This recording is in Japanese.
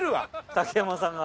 竹山さんが。